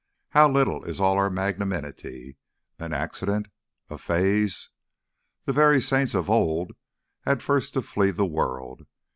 How little is all our magnanimity an accident! a phase! The very Saints of old had first to flee the world.